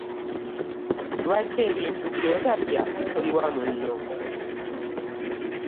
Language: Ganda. Lwaki ebintu byotalya tobiwa muno?